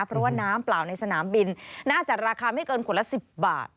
เพราะว่าน้ำเปล่าในสนามบินน่าจะราคาไม่เกินขวดละ๑๐บาท